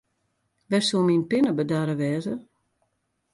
Wêr soe myn pinne bedarre wêze?